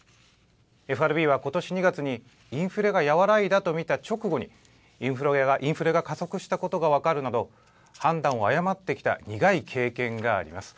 ＦＲＢはことし２月に、インフレが和らいだと見た直後に、インフレが加速したことが分かるなど、判断を誤ってきた苦い経験があります。